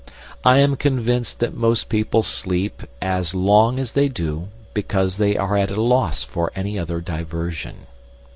I am convinced that most people sleep as long as they do because they are at a loss for any other diversion.